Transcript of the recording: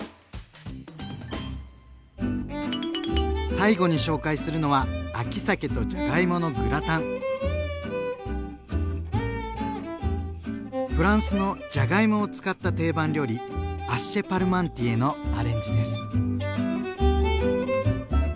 最後に紹介するのはフランスのじゃがいもを使った定番料理「アッシェ・パルマンティエ」のアレンジです。